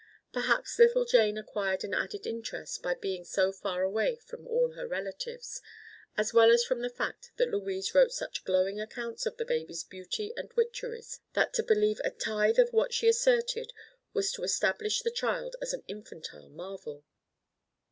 Perhaps little Jane acquired an added interest by being so far away from all her relatives, as well as from the fact that Louise wrote such glowing accounts of the baby's beauty and witcheries that to believe a tithe of what she asserted was to establish the child as an infantile marvel.